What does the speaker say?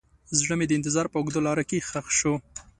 زړه مې د انتظار په اوږده لاره کې ښخ شو.